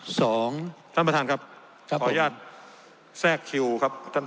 ๒ขออนุญาตแซ่กคิวครับ